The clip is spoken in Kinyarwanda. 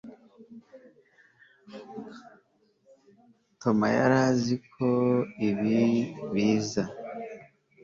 Tom yari azi ko ibi biza